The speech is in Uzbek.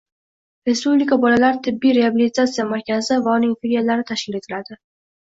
Respublika bolalar tibbiy reabilitatsiya markazi va uning filiallari tashkil etiladi.